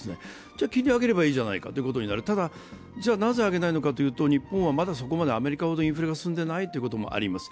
じゃあ、切り上げればいいじゃないかということになる、ただ、なぜ上げないかというと日本はアメリカほどインフレが進んでいないという状況があります。